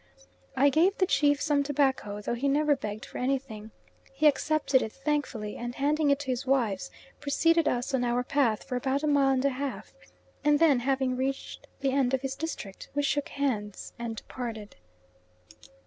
I gave the chief some tobacco though he never begged for anything. He accepted it thankfully, and handing it to his wives preceded us on our path for about a mile and a half and then having reached the end of his district, we shook hands and parted.